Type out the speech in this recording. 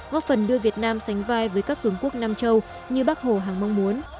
góp phần đưa việt nam sánh vai với các cường quốc nam châu như bắc hồ hàng mong muốn